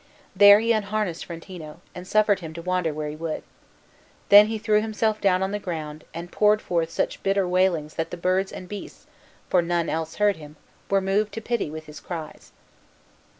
There he unharnessed Frontino, and suffered him to wander where he would. Then he threw himself down on the ground, and poured forth such bitter wailings that the birds and beasts, for none else heard him, were moved to pity with his cries.